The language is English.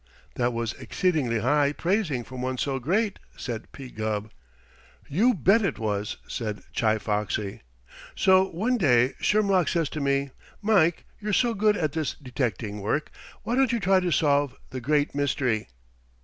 "That was exceedingly high praising from one so great," said P. Gubb. "You bet it was!" said Chi Foxy, "So one day Shermlock says to me, 'Mike you're so good at this detecting work, why don't you try to solve The Great Mystery?'